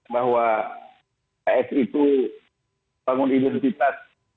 bahwa pks itu membangun identitas